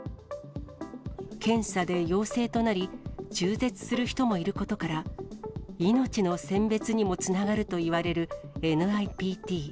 検査で陽性となり、中絶する人もいることから、命の選別にもつながるといわれるＮＩＰＴ。